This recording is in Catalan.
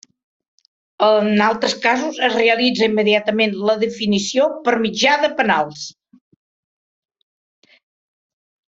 En altres casos, es realitza immediatament la definició per mitjà de penals.